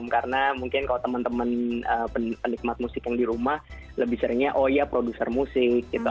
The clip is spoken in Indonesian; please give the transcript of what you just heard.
karena mungkin kalau teman teman penikmat musik yang di rumah lebih seringnya oh iya produser musik gitu